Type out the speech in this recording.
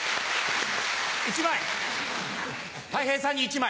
１枚たい平さんに１枚。